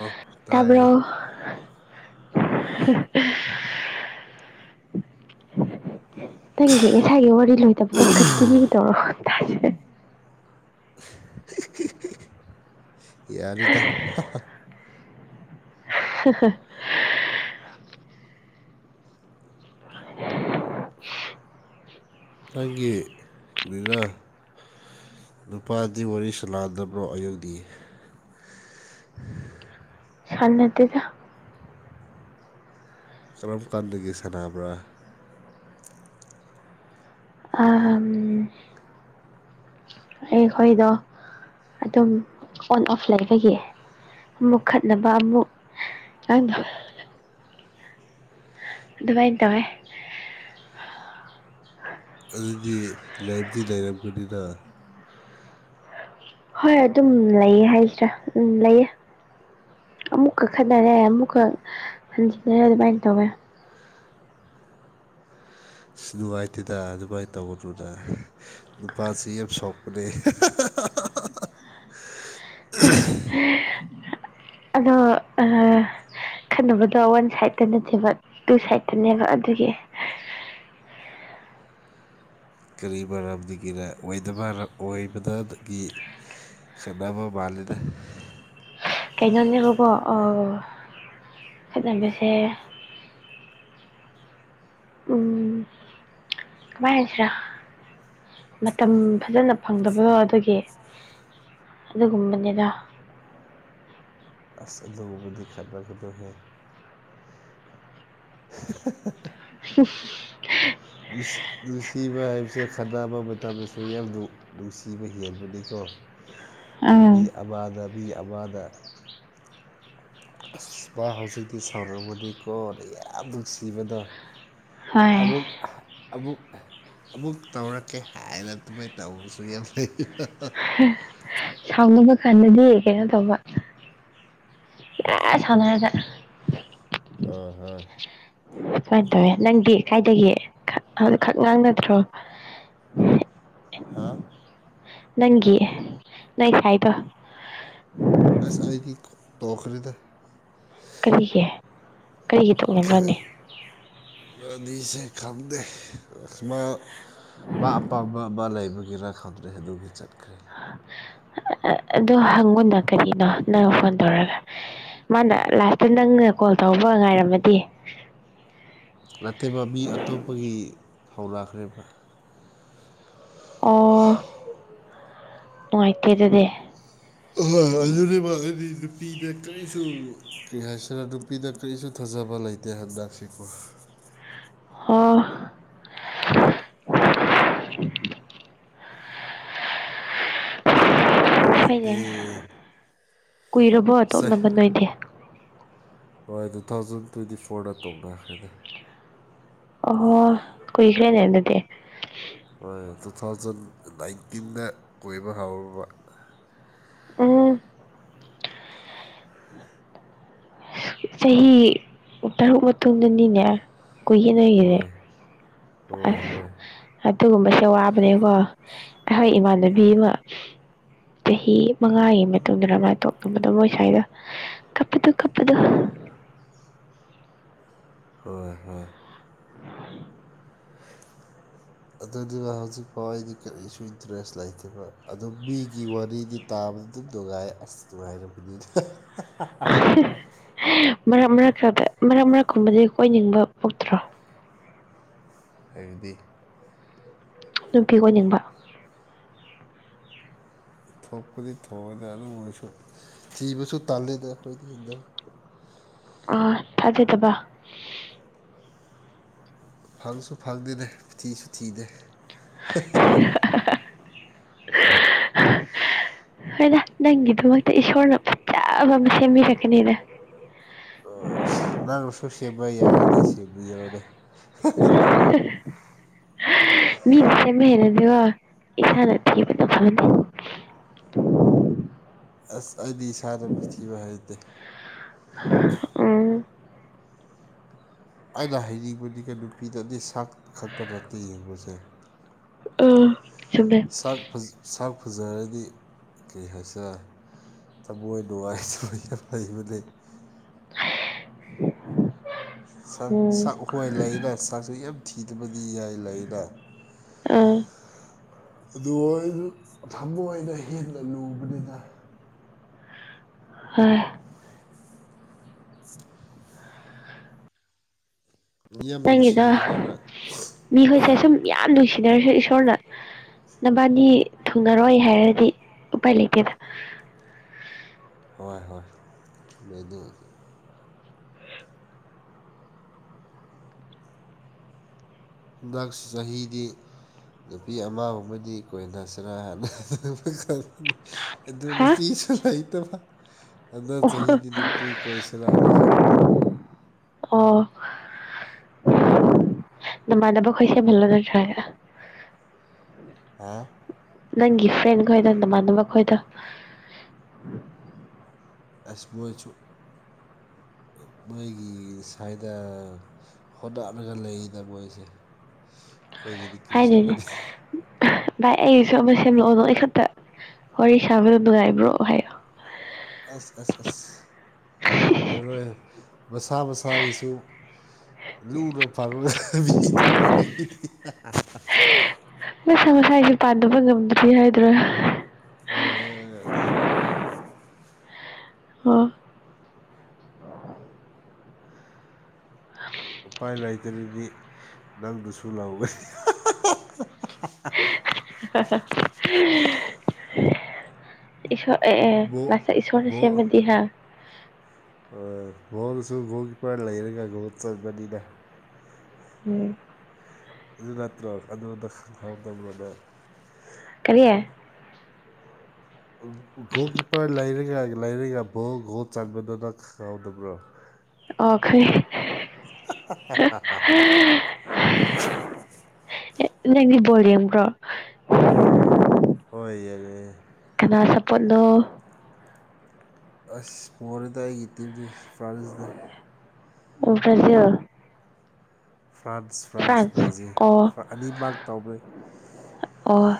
ꯑꯣ ꯇꯥꯏꯌꯦ ꯇꯥꯔꯕ [unintelligible] ꯅꯪꯒꯤ ꯉꯁꯥꯒꯤ ꯋꯥꯔꯤ ꯂꯣꯏꯗꯕꯗꯣ ꯈꯛꯇꯤꯅꯤ ꯇꯧꯔꯣꯥꯁꯦ ꯌꯥꯔꯗ ꯁꯍ [unintelligible] ꯅꯪꯒꯤ ꯂꯤꯅꯥ ꯅꯨꯄꯥꯗꯤ ꯋꯥꯔꯤ ꯁꯥꯂꯥꯟꯗꯕ꯭ꯔꯣ ꯑꯌꯨꯗꯤ ꯁꯥꯟꯅꯠꯇꯗ ꯀꯔꯝ ꯀꯥꯟꯗꯒꯤ ꯁꯥꯟꯅꯕ꯭ꯔꯥ ꯑ ꯑꯩꯈꯣꯏꯗꯣ ꯑꯗꯨꯝ ꯑꯣꯟ ꯑꯣꯐ ꯂꯩꯕꯒꯤ ꯑꯃꯨꯛ ꯈꯠꯅꯕ ꯑꯃꯨꯛꯥꯡ ꯑꯗꯨꯚꯥꯏ ꯇꯕꯦ ꯑꯗꯨꯗꯤ ꯂꯥꯏꯕꯇꯗꯤ ꯂꯩꯔꯕꯅꯤꯅ ꯍꯣꯏ ꯑꯗꯨꯝ ꯂꯩꯌꯦ ꯍꯥꯏꯁ꯭ꯔꯥ ꯎꯝ ꯂꯩꯑ ꯑꯃꯨꯛꯀꯛ ꯈꯠꯅꯔꯦ ꯑꯃꯨꯛꯀꯛ ꯍꯟꯖꯤꯟꯅꯔꯦ ꯑꯗꯨꯃꯥꯏꯅ ꯇꯧꯋꯦ ꯑ ꯅꯨꯡꯉꯥꯏꯇꯦꯗ ꯑꯗꯨꯃꯥꯏꯅ ꯇꯧꯕꯗꯨꯨꯗ ꯅꯨꯄꯥꯁꯤ ꯌꯥꯝ ꯁꯣꯛꯄꯅꯦ [unintelligible] ꯑꯗꯣ ꯈꯟꯅꯅꯕꯗꯣ ꯋꯥꯟ ꯁꯥꯏꯗꯇ ꯅꯠꯇꯦꯕ ꯇꯨ ꯁꯥꯏꯗꯇꯅꯦꯕ ꯑꯗꯨꯒꯤ ꯀꯔꯤ ꯃꯔꯝ ꯑꯣꯏꯗꯕ ꯑꯣꯏꯕꯗꯒꯤ ꯁꯗꯥꯕ ꯃꯥ ꯂꯤꯗ ꯀꯥꯏꯅꯅꯦꯕꯣꯀꯣ ꯑ ꯈꯖꯅꯕꯁꯦ ꯎꯝ ꯀꯃꯥꯏꯅ ꯍꯥꯏꯁꯤꯔꯥ ꯃꯇꯝ ꯐꯖꯅ ꯐꯪꯗꯕꯗꯣ ꯑꯗꯨꯒꯤ ꯑꯗꯨꯒꯨꯝꯕꯅꯤꯗ ꯑꯁ ꯂꯧꯕꯗꯤ ꯈꯠꯕꯒꯗꯍꯦ [inaudible] ꯎ ꯅꯨꯡꯁꯤꯕ ꯍꯥꯏꯕꯁꯦ ꯈꯕ ꯃꯇꯝꯗꯁꯨ ꯌꯥꯝꯗꯨ ꯅꯨꯡ ꯁꯤꯕ ꯍꯦꯟꯍꯦꯟꯕꯅꯤꯀꯣ [unintelligible] ꯃꯤꯕꯤ ꯑꯕꯥꯗ ꯃꯤꯕꯤ ꯑꯋꯥꯗ ꯑꯁ ꯃꯥ ꯍꯧꯖꯤꯛꯇꯤ ꯁꯥꯎꯔꯛꯝꯕꯅꯤꯀꯣꯅ ꯌꯥꯝ ꯅꯨꯡꯁꯤꯕꯗꯣ ꯍꯣꯏ ꯑꯗꯨꯕꯨ ꯑꯃꯨꯛ ꯑꯃꯨꯛ ꯇꯧꯔꯛꯀꯦ ꯍꯥꯏꯅ ꯑꯗꯨꯃꯥꯏꯅ ꯇꯧꯕꯁꯨ ꯌꯥꯝ ꯐꯩ ꯊꯥꯎꯅꯤꯡꯕ ꯈꯥꯟꯗꯗꯤ ꯀꯩꯅꯣ ꯇꯧꯕ ꯏ ꯁꯅ ꯍꯥꯏꯖ ꯑ ꯍꯣꯏ ꯁꯨꯃꯥꯏꯅ ꯇꯧꯋꯦ ꯅꯪꯗꯤ ꯀꯥꯏꯗꯒꯤꯦ ꯑꯗꯨ ꯈꯛ ꯉꯥꯡꯅꯗ꯭ꯔꯣ ꯍꯥꯥ ꯅꯪꯒꯤꯌꯦ ꯅꯪ ꯁꯥꯏꯗꯣ ꯑꯁ ꯑꯒꯤ ꯇꯣꯈꯔꯗ ꯀꯔꯤꯒꯤ ꯀꯔꯤꯒꯤ ꯇꯣꯛꯅꯤꯡꯅꯕꯣꯅꯤ ꯑꯗꯤꯁꯦ ꯈꯪꯗꯦ ꯑꯃ ꯃꯥ ꯑꯄꯥꯝꯕ ꯃꯥ ꯂꯩꯕꯒꯤꯔ ꯈꯪꯗ꯭ꯔꯦ ꯑꯗꯨꯒꯤ ꯆꯠꯈ꯭ꯔꯦ ꯑꯗꯨ ꯍꯪꯉꯨꯅ ꯀꯔꯤꯅꯣ ꯅꯪ ꯐꯣꯟ ꯇꯧꯔꯒ ꯃꯥꯅ ꯂꯥꯏꯥꯁꯇ ꯅꯪꯅ ꯀꯣꯜ ꯇꯧꯕ ꯉꯥꯏꯔꯝꯃꯗꯤ ꯅꯠꯇꯦꯕ ꯃꯤ ꯑꯇꯣꯞꯄꯒꯤ ꯐꯧ ꯂꯥꯛꯈ꯭ꯔꯦꯕ ꯑ ꯅꯨꯡꯉꯥꯏꯇꯦ ꯑꯗꯨꯗꯤ ꯑꯣꯏ ꯑꯗꯨꯅꯦꯕ ꯍꯥꯏꯗꯤ ꯅꯨꯄꯤꯗ ꯀꯔꯤꯁꯨ ꯀꯔꯤ ꯍꯥꯏꯁꯤꯔ ꯅꯨꯄꯤꯗ ꯀꯔꯤꯁꯨ ꯊꯥꯖꯕ ꯂꯩꯇꯦ ꯍꯟꯗꯛꯁꯤꯀꯣ ꯍ ꯄꯥꯏ ꯍꯣꯏꯅꯦ ꯂꯩꯗꯤꯇꯩ ꯀꯨꯏꯔꯕꯣ ꯑꯇꯣꯞ ꯅꯝꯕ ꯅ ꯑꯣꯏꯗꯤꯦ ꯍꯣꯏ ꯇꯨ ꯊꯥꯎꯖꯟ ꯇ꯭ꯋꯦꯟꯇꯤ ꯐꯣꯔꯗ ꯇꯧꯅꯈ꯭ꯔꯦꯅꯦ ꯑꯣ ꯀꯨꯏꯈ꯭ꯔꯦꯅꯦ ꯑꯗꯨꯗꯤ ꯍꯣꯏ ꯇꯨ ꯊꯥꯎꯖꯟ ꯅꯥꯏꯟꯇꯤꯟꯗ ꯀꯣꯏꯕ ꯍꯧꯥꯎꯔꯕ ꯎꯝ ꯆꯍꯤ ꯇꯔꯨꯛ ꯃꯇꯨꯡꯗꯅꯤꯅꯦ ꯀꯨꯌꯦꯅꯈꯤꯅꯦ ꯍꯣꯏ ꯍꯣꯏ ꯑꯁ ꯍꯣꯏ ꯑꯗꯨꯒꯨꯝꯕꯁꯦ ꯋꯥꯕꯅꯦꯀꯣ ꯑꯩꯈꯣꯏ ꯏꯃꯥꯟꯅꯕꯤ ꯑꯃ ꯆꯍꯤ ꯃꯉꯥꯒꯤ ꯃꯇꯨꯡꯗꯅ ꯃꯥꯥꯏ ꯇꯣꯛꯅꯕꯗ ꯃꯣꯏ ꯁ꯭ꯋꯥꯏꯗ ꯀꯄꯗ ꯀꯞꯗ ꯍꯣꯏ ꯍꯣꯏ ꯑꯗꯨꯗꯨꯅ ꯍꯧꯖꯤꯛꯐꯥꯎ ꯑꯩꯗꯤ ꯀꯔꯤꯁꯨ ꯏꯟꯇꯔꯦꯁ ꯂꯩꯇꯦꯕ ꯑꯗꯣ ꯃꯤꯒꯤ ꯋꯥꯔꯤꯗꯤ ꯇꯥꯕꯗ ꯑꯗꯨꯝ ꯅꯨꯡꯉꯥꯏ ꯑꯁ ꯅꯨꯡꯉꯥꯏꯔꯕꯅꯤꯅ ꯃꯔꯛ ꯃꯔꯛ ꯃꯔꯛ ꯃꯔꯛꯀꯨꯝꯕꯗꯤ ꯀꯣꯏꯅꯤꯡꯕ ꯄꯣꯛꯇ꯭ꯔꯣ ꯍꯥꯏꯔꯗꯤ ꯅꯨꯄꯤ ꯑꯣꯏꯅꯤꯡꯕ ꯊꯣꯛꯄꯨꯗꯤ ꯊꯣꯛꯑꯦꯗ ꯑꯗꯨꯝ ꯑꯣꯏꯔꯁꯨ ꯊꯤꯕꯁꯨ ꯇꯥꯜꯂꯦꯗ ꯑꯩꯈꯣꯏꯗꯤ ꯍꯟꯗꯛ ꯑꯥ ꯊꯥꯖꯗꯕ ꯐꯪꯁꯨ ꯐꯪꯗꯦꯅꯦ ꯊꯤꯁꯨ ꯊꯤꯗꯦ [inaudible] ꯍꯣꯏꯗ ꯅꯪꯒꯤꯗꯃꯛꯇ ꯏꯁꯣꯔꯅ ꯐꯖꯕ ꯑꯃ ꯁꯦꯝꯕꯤꯔꯛꯀꯅꯤꯗ ꯑꯣ ꯁꯅꯥꯥꯡꯁꯨ ꯁꯦꯝꯕ ꯌꯥꯔꯗꯤ ꯁꯦꯝꯕ ꯌꯔꯅꯦ [inaudible] ꯃꯤꯗꯤ ꯁꯦꯝꯃ ꯍꯦꯔꯗꯤꯕ ꯏꯁꯥꯅ ꯊꯤꯕꯅ ꯐꯪꯅꯤ ꯑꯁ ꯑꯩꯗꯤ ꯏꯁꯥꯗꯨ ꯊꯤꯕ ꯍꯩꯇꯦ ꯎꯝ ꯑꯩꯅ ꯍꯩꯅꯤꯡꯕꯗꯤꯒ ꯅꯨꯄꯤꯗꯗꯤ ꯁꯥꯛ ꯈꯛꯇ ꯅꯠꯇꯦ ꯌꯦꯡꯕꯁꯦ [unintelligible] ꯁꯥꯛ ꯐꯖ ꯁꯥꯛ ꯐꯖꯔꯗꯤ ꯀꯔꯤ ꯍꯥꯏꯁꯤꯔ ꯊꯃꯣꯏ ꯅꯨꯡꯉꯥꯏꯇꯕ ꯌꯥꯝ ꯂꯩꯕꯅꯤ ꯆꯥꯛ ꯎꯝ ꯆꯥꯛ ꯍꯣꯏ ꯂꯩꯅ ꯆꯥꯛꯁꯦ ꯌꯥꯝ ꯊꯤꯗꯕꯗꯤ ꯌꯥꯏ [unintelligible] ꯑꯥ ꯑꯗꯨ ꯑꯩꯗꯨ ꯊꯃꯣꯏꯅ ꯍꯦꯟꯅ ꯂꯨꯕꯅꯦꯗ [inaudible] [unintelligible] ꯌꯥꯝ ꯅꯪꯒꯤꯗꯣ ꯅꯨꯡꯁꯤꯈ꯭ꯔꯕ ꯃꯤꯈꯣꯏꯁꯦ ꯁꯨꯝ ꯌꯥꯝ ꯅꯨꯡꯁꯤꯟꯅꯔꯁꯨ ꯏꯁꯣꯔꯅ‌‌ ꯅꯕꯥꯟꯅꯤ ꯊꯨꯡꯉꯔꯣꯏ ꯍꯥꯏꯔꯗꯤ ꯎꯄꯥꯏ ꯂꯩꯇꯦꯗ ꯍꯣꯏ ꯍꯣꯏ ꯂꯩ [inaudible] ꯍꯟꯗꯛ ꯆꯍꯤꯗꯤ ꯅꯨꯄꯤ ꯑꯃꯒꯨꯝꯕꯗꯤ ꯀꯣꯏꯅꯁꯤꯔ [inaudible] ꯑꯗꯨ ꯍꯥ ꯅꯨꯄꯤꯁꯨ ꯂꯩꯩꯇꯕ [unintelligible] ꯍꯟꯗꯛ ꯆꯍꯤꯗꯤ ꯅꯨꯄꯤ ꯀꯣꯏꯁꯤꯔꯅ ꯈꯟꯕꯅꯦꯕ ꯑꯣ ꯅꯃꯥꯟꯅꯕ ꯈꯣꯏꯁꯦ [inaudible] ꯍꯥꯥ ꯅꯪꯒꯤ ꯐ꯭ꯔꯦꯟ ꯈꯣꯏꯗ ꯅꯃꯥꯟꯅꯕ ꯈꯣꯏꯗ ꯑꯁ ꯃꯣꯏꯁꯨ ꯃꯣꯏꯒꯤ ꯁꯥꯏꯗ [inaudible] ꯃꯣꯏꯁꯦ ꯑꯩꯈꯣꯏꯒꯤꯗꯤ ꯀꯔꯤꯁꯨ ꯍꯥꯏꯗꯤꯅꯦ ꯄꯤꯗꯦ ꯚꯥꯏ ꯑꯩꯁꯨ ꯑꯃ ꯁꯦꯝꯂꯛꯑꯣ ꯅꯣꯏ ꯈꯛꯇ ꯋꯥꯔꯤ ꯁꯥꯕꯗꯣ ꯅꯨꯡꯉꯥꯏꯕ꯭ꯔꯣ ꯍꯥꯏꯌꯣ ꯑꯁ- ꯑꯁ -ꯑꯁ ꯑꯣꯏꯔꯣꯏ ꯃꯁꯥ ꯃꯁꯥꯒꯤꯁꯨ ꯂꯨꯔ [inaudible] ꯃꯁꯥ ꯃꯁꯥꯁꯦ ꯄꯥꯟꯗꯕ ꯉꯝꯗ꯭ꯔꯤ ꯍꯥꯏꯗ꯭ꯔꯥ ꯍꯣꯏ [inaudible] ꯑꯣ ꯎꯄꯥꯏ ꯂꯩꯇ꯭ꯔꯗꯤ ꯅꯪꯗꯨꯁꯨ ꯂꯧꯒꯅꯤ ꯍ ꯍ ꯏꯁꯣꯔ ꯑꯦ ꯑꯦ ꯕꯣ ꯂꯥꯁ ꯏꯁꯣꯔꯅ ꯁꯦꯝꯃꯗꯤ ꯍꯥ ꯍꯣꯏ ꯕꯣꯜꯁꯨ ꯒꯣꯜ ꯀꯤꯄꫪ ꯂꯩꯔꯒ ꯒꯣꯜ ꯆꯟꯕꯅꯤꯅ ꯎꯝ ꯑꯗꯨ ꯅꯠꯇ꯭ꯔꯣ ꯑꯗꯣ ꯑꯝꯗ ꯈꯪ ꯈꯪꯍꯧꯗꯕ꯭ꯔꯅ ꯅꯪ ꯀꯔꯤ ꯒꯣꯜ ꯀꯤꯞꯄꯔ ꯂꯩꯔꯒ ꯂꯩꯔꯒ ꯕꯣꯜ ꯒꯣꯜ ꯆꯥꯟꯕꯗꯨꯅ ꯈꯪꯍꯧꯗꯕ꯭ꯔꯣ ꯑꯣ ꯈꯔꯤ ꯅꯪꯗꯤ ꯕꯣꯜ ꯌꯦꯡꯕꯔꯣ ꯍꯣꯏ ꯌꯦꯡꯉꯦ ꯀꯅꯥ ꯁꯄꯣꯠꯅꯣ ꯑꯁ ꯄꯣꯔꯦꯗꯥ ꯑꯩꯒꯤ ꯇꯤꯝꯗꯤ ꯐ꯭ꯔꯥꯟꯁꯗ ꯕ꯭ꯔꯖꯤꯜ ꯐ꯭ꯔꯥꯟꯁ ꯐ꯭ꯔꯥꯟꯁ ꯕ꯭ꯔꯥꯖꯤꯜ ꯑꯅꯤꯃꯛ ꯇꯧꯕꯩ ꯑꯣ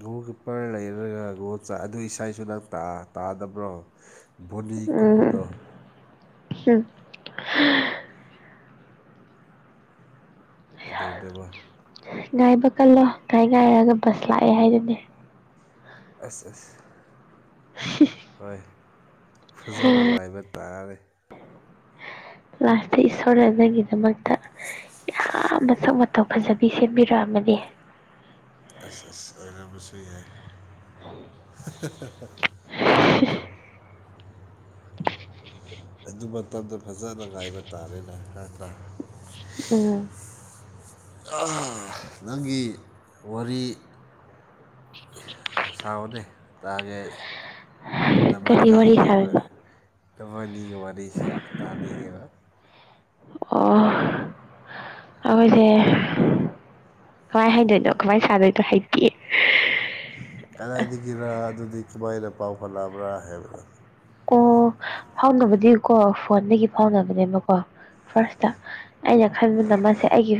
ꯒꯣꯒꯣꯜ ꯀꯤꯞꯄꯔ ꯂꯩꯔꯒ ꯒꯨꯒꯣꯜ ꯆ ꯑꯗꯨ ꯏꯁꯥꯁꯨ ꯅꯪ ꯇꯥꯗꯕ꯭ꯔꯣ ꯕꯣꯅꯤꯒꯨꯝꯕꯗꯣ ꯍꯝ ꯑꯗꯨꯗꯕ ꯉꯥꯏꯕ ꯀꯜꯂꯣ ꯉꯥꯏ ꯉꯥꯏꯔꯒ ꯕꯁ ꯂꯥꯛꯑꯦ ꯍꯥꯏꯗꯨꯅꯦ ꯑꯁ ꯑꯁ ꯍꯣꯏ ꯐꯖꯕ ꯉꯥꯏꯕ ꯇꯥꯔꯦ ꯂꯥꯁꯇ ꯏꯁꯣꯔꯅ ꯅꯪꯒꯤꯗꯃꯛꯇ ꯌꯥꯝ ꯃꯁꯛ ꯃ ꯇꯧ ꯐꯖꯕꯤ ꯁꯦꯝꯕꯤꯔꯛꯑꯃꯅꯤ ꯑꯁ ꯑꯁ ꯑꯣꯏꯔꯕꯁꯨ ꯌꯥꯏ ꯑꯗꯨ ꯃꯇꯝꯗ ꯐꯖꯅ ꯉꯥꯏꯕ ꯇꯥꯔꯦꯅꯦ ꯀꯥ ꯎꯝ ꯅꯪꯒꯤ ꯋꯥꯔꯤ ꯁꯑꯣꯅꯦ ꯇꯥꯒꯦ ꯑꯩ ꯀꯔꯤ ꯋꯥꯔꯤ ꯅꯕꯥꯅꯤꯒꯤ ꯁꯥꯗꯣꯏꯅꯣ ꯅꯕꯥꯅꯤꯒꯤ ꯋꯥꯔꯤꯁꯦ ꯇꯥꯅꯤꯡꯉꯦꯕ ꯑꯣ ꯑꯩꯈꯣꯏꯁꯦ ꯀꯃꯥꯏ ꯍꯗꯣꯏꯅꯣ ꯀꯃꯥꯏ ꯁꯥꯥꯟꯗꯣꯏꯅꯣ ꯍꯩꯇꯦ ꯀꯗꯥꯏꯗꯒꯤꯔ ꯑꯗꯨꯗꯤ ꯀꯃꯥꯏꯅ ꯄꯥꯎ ꯐꯠꯅꯕ꯭ꯔꯥ ꯍꯥꯏꯕꯅꯣ ꯑꯣ ꯐꯥꯎꯅꯕꯗꯤꯀꯣ ꯐꯣꯟꯗꯒꯤ ꯐꯥꯎꯅꯕꯅꯦꯕꯀꯣ ꯐꯥꯔꯁꯇ ꯑꯩꯅ ꯈꯟꯕꯅ ꯃꯥꯁꯦ ꯑꯩꯒꯤ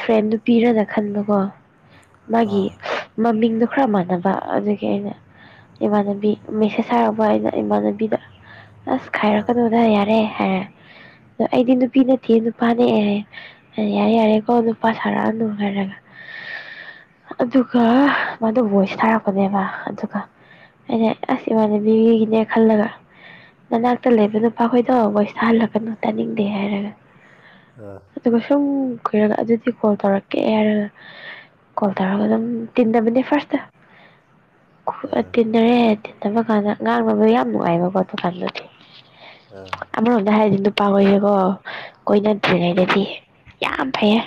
ꯐ꯭ꯔꯦꯟꯗꯨ ꯄꯤꯔꯅ ꯈꯟꯕꯀꯣ ꯃꯥꯒꯤ ꯑꯥ ꯃꯃꯤꯡꯗꯣ ꯈꯔ ꯃꯥꯟꯅꯕ ꯑꯗꯨꯒꯤ ꯑꯩꯅ ꯏꯃꯥꯟꯅꯕꯤ ꯃꯦꯁꯦꯁ ꯊꯔꯛꯄ ꯑꯩꯅ ꯏꯃꯥꯟꯅꯕꯤꯗ ꯑꯁ ꯑꯥ ꯈꯥꯏꯔꯛꯀꯅꯣꯗ ꯌꯥꯔꯦ ꯍꯥꯏꯔꯦ ꯑꯗ ꯑꯩꯗꯤ ꯅꯨꯄꯤ ꯅꯠꯇꯦ ꯅꯨꯄꯥꯅꯦꯑꯍꯦ ꯌꯥꯔꯦ ꯌꯥꯔꯦꯀꯣ ꯅꯨꯄꯥ ꯁꯥꯔꯛꯑꯅꯨ ꯍꯥꯏꯔꯒ ꯑꯗꯨꯒ ꯃꯥꯗꯣ ꯚꯣꯏꯁ ꯊꯥꯔꯛꯄꯅꯦꯕ ꯑꯗꯨꯒ ꯑꯩꯅ ꯑꯁ ꯏꯃꯥꯟꯅꯕꯤꯒꯤꯅꯦ ꯈꯜꯂꯒ ꯅꯅꯥꯛꯇ ꯂꯩꯕ ꯅꯨꯄꯥꯈꯣꯏꯗꯣ ꯚꯣꯏꯁ ꯁꯥꯍꯜꯂꯛꯀꯅꯨ ꯇꯥꯅꯤꯡꯗꯦ ꯍꯥꯏꯔꯒ ꯎꯝ ꯑꯗꯨꯒ ꯁꯨꯝ ꯀꯨꯏꯔꯒ ꯑꯗꯨꯗꯤ ꯀꯣꯜ ꯇꯧꯔꯛꯀꯦ ꯍꯥꯏꯔꯒ ꯀꯣꯇꯥꯒ ꯑꯗꯨꯝ ꯇꯤꯟꯅꯕꯅꯦ ꯐꯥꯔꯁꯇ ꯑꯥ ꯇꯤꯟꯅꯔꯦ ꯇꯤꯟꯅꯕ ꯀꯥꯟꯗ ꯉꯥꯡꯅꯕ ꯌꯥꯝ ꯅꯨꯡꯉꯥꯏꯕ ꯈꯣꯠꯄ ꯀꯥꯟꯗꯨꯗꯤ ꯑꯥ ꯑꯃꯔꯣꯝꯗ ꯍꯥꯏꯔꯗꯤ ꯅꯨꯄꯥꯈꯣꯏꯔꯦꯀꯣ ꯀꯣꯏꯅꯗ꯭ꯔꯤꯉꯩꯗꯗꯤ ꯌꯥꯝ ꯐꯩꯌꯦ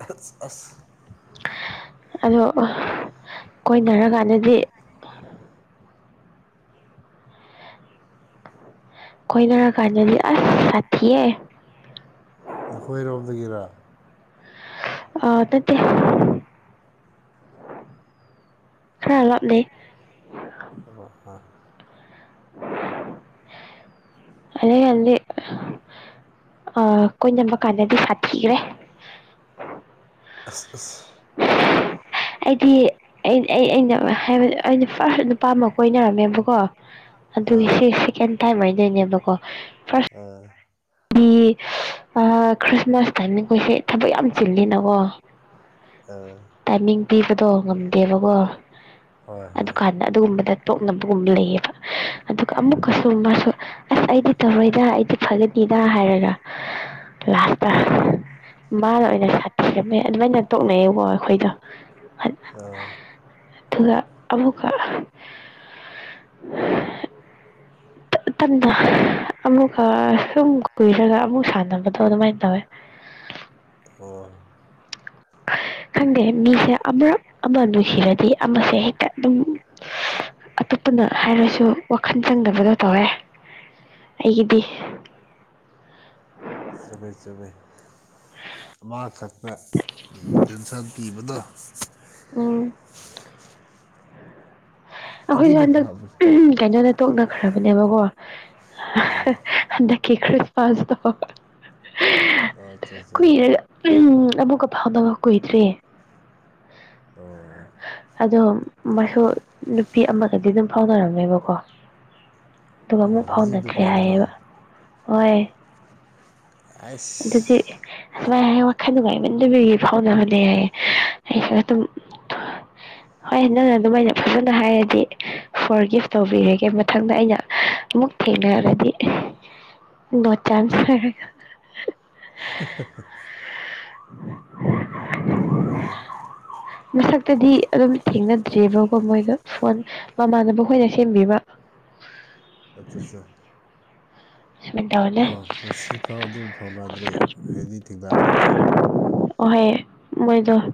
ꯑꯁ ꯑꯗꯣ ꯀꯣꯏꯅꯔꯀꯥꯟꯗꯗꯤ ꯀꯣꯏꯅꯔꯀꯥꯟꯗꯗꯤ ꯑꯁ ꯁꯥꯊꯤꯌꯦ ꯅꯈꯣꯏꯔꯣꯝꯗꯒꯤꯔ ꯑ ꯅꯠꯇꯦ ꯈꯔ ꯂꯥꯞꯅꯩ ꯍꯥ [inaudible] ꯑꯗꯩ ꯑꯗ ꯀꯣꯏꯅꯕ ꯀꯥꯟꯗꯗꯤ ꯁꯥꯊꯤꯈ꯭ꯔꯦ ꯑꯁ ꯑꯁ ꯑꯩꯗꯤ ꯑꯩ ꯑꯩꯅ ꯍꯥꯏꯕ ꯑꯩꯅ ꯐꯥꯔꯁ ꯅꯨꯄꯥꯃꯛ ꯀꯣꯏꯅꯔꯝꯃꯦꯕꯀꯣ ꯑꯗꯨꯒꯤ ꯑꯥ ꯁꯤ ꯁꯦꯀꯦꯟ ꯇꯥꯏꯝ ꯍꯥꯏꯗꯣꯏꯅꯦꯕꯀꯣ ꯐꯥꯔꯁ ꯑꯥ ꯍꯥꯏꯗꯤ ꯈ꯭ꯔꯤꯁꯃꯥꯁ ꯇꯥꯏꯃꯤꯡꯈꯣꯏꯁꯦ ꯊꯕꯛ ꯌꯥꯝ ꯆꯤꯜꯂꯤꯅꯀꯣ ꯑ ꯇꯥꯏꯃꯤꯡ ꯄꯤꯕꯗꯣ ꯉꯝꯗꯦꯕꯀꯣ ꯍꯣꯏ ꯍꯣꯏ ꯀꯥꯟꯗ ꯑꯗꯨꯒꯨꯝꯕꯗ ꯇꯣꯛꯅꯕꯒꯨꯝꯕ ꯂꯩꯌꯦꯕ ꯑꯗꯨꯒ ꯑꯃꯨꯛꯀꯁꯨ ꯃꯥꯁꯨ ꯑꯁ ꯑꯩꯗꯤ ꯇꯧꯔꯣꯏꯗ ꯑꯩꯗꯤ ꯐꯒꯅꯤꯗ ꯍꯥꯏꯔꯒ ꯂꯥꯁꯇ ꯃꯥꯅ ꯑꯣꯏꯅ ꯁꯥꯊꯤꯔꯝꯃꯦ ꯑꯗꯨꯃꯥꯏꯅ ꯇꯣꯛꯅꯩꯌꯦꯕꯀꯣ ꯑꯩꯈꯣꯏꯗ ꯑ ꯑꯗꯨꯅ ꯑꯃꯈꯛ ꯈꯨꯇꯟꯗꯣ ꯑꯃꯨꯛꯀ ꯁꯨꯝ ꯀꯨꯏꯔꯒ ꯑꯃꯨꯛ ꯁꯥꯟꯅꯕꯗꯣ ꯑꯗꯨꯃꯥꯏꯅ ꯇꯧꯋꯦ ꯑꯣ ꯈꯪꯗꯦ ꯃꯤꯁꯦ ꯑꯃꯔꯛ ꯑꯃ ꯅꯨꯡꯁꯤꯔꯗꯤ ꯑꯃꯁꯦ ꯍꯦꯛꯇ ꯇꯤꯡ ꯑꯇꯣꯞꯄꯅ ꯍꯥꯏꯔꯁꯨ ꯋꯥꯈꯜ ꯆꯪꯗꯕꯗꯣ ꯇꯧꯋꯦ ꯑꯩꯒꯤꯗꯤ ꯆꯨꯨꯝꯃꯦ-ꯆꯨꯝꯃꯦ ꯃꯈꯛ ꯇꯥ ꯄꯤꯇꯦꯟꯁꯟ ꯄꯤꯕꯗꯣ ꯎꯝ ꯑꯩꯈꯣꯏꯁꯨ ꯑꯗꯨꯅ ꯍꯟꯗꯛ ꯐꯕꯅꯦ ꯀꯩꯅꯣꯗꯣ ꯇꯣꯛꯅꯈ꯭ꯔꯕꯅꯦꯕꯀꯣ ꯍꯟꯗꯛꯀꯤ ꯑꯠꯆꯥ [unintelligible] ꯆꯥ ꯀꯨꯏꯔꯒ ꯎꯝ ꯑꯃꯨꯛꯀ ꯐꯥꯎꯅꯕ ꯀꯨꯏꯗ꯭ꯔꯤ ꯑꯣꯑꯣ ꯑꯗꯣ ꯃꯁꯨ ꯅꯨꯄꯤ ꯑꯃꯒꯗꯤ ꯑꯗꯨꯝ ꯐꯥꯎꯅꯔꯝꯃꯦꯕꯀꯣ ꯑꯗꯨꯒ ꯑꯣ ꯑꯃꯨꯛ ꯍꯧꯖꯤꯛ ꯐꯥꯎꯅꯗ꯭ꯔꯦ ꯅꯨꯄꯥꯗꯨꯔꯣ ꯍꯥꯏꯌꯦꯕ ꯍꯣꯏ ꯑꯁ ꯑꯗꯨꯗꯤ ꯁꯨꯃꯥꯏꯍꯥꯏꯌꯦ ꯋꯥꯈꯜ ꯅꯨꯡꯉꯥꯏꯃꯟꯗꯕꯒꯤ ꯐꯥꯎꯅꯕꯅꯦ ꯍꯥꯏꯌꯦ ꯑꯩꯁꯨ ꯑꯗꯨꯝ ꯍꯣꯏ ꯅꯪꯅ ꯑꯗꯨꯃꯥꯏꯅ ꯐꯖꯅ ꯍꯥꯏꯔꯗꯤ ꯐꯣꯔꯒꯤꯐ ꯇꯧꯕꯤꯔꯒꯦ ꯃꯊꯪꯗ ꯑꯩꯅ ꯑꯃꯨꯛ ꯊꯦꯡꯅꯔꯗꯤ ꯅꯣ ꯆꯥꯟꯁ ꯍꯥꯍꯥꯍꯥ [inaudible] ꯕꯔꯣ ꯍꯥꯏꯗꯤ ꯃꯁꯛꯇꯨꯗꯤ ꯑꯗꯨꯝ ꯊꯦꯡꯅꯗ꯭꯭ꯔꯤꯕꯀꯣ ꯃꯣꯏꯒ ꯐꯣꯟ ꯃꯃꯥꯟꯅꯕ ꯈꯣꯏꯅ ꯁꯦꯝꯕꯤꯕ ꯑꯠꯆꯥꯆꯥ ꯁꯨꯃꯥꯏꯅ ꯇꯧꯔꯅꯦ ꯑꯥ ꯉꯁꯤꯐꯥꯎ ꯑꯗꯨꯝ ꯐꯥꯎꯅꯗ꯭ꯔꯤ ꯍꯥꯏꯗꯤ ꯊꯦꯡꯅꯗ꯭ꯔꯤ ꯑꯣꯍꯣꯏ ꯃꯣꯏꯗ